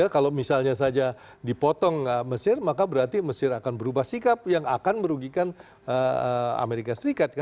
kalau misalnya saja dipotong mesir maka berarti mesir akan berubah sikap yang akan merugikan amerika serikat